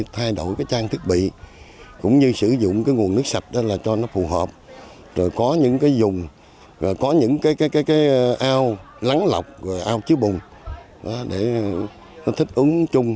thay đổi trang thức bị sử dụng nguồn nước sạch cho phù hợp có những ao lắng lọc ao chứa bùng để thích ứng chung